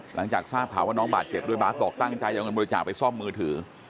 หลังจากทราบข่าวว่าน้องบาดเจ็บด้วยบาสบอกตั้งใจจะเอาเงินบริจาคไปซ่อมมือถือ